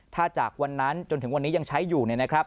ถ้าจากวันนั้นจนถึงวันนี้ยังใช้อยู่เนี่ยนะครับ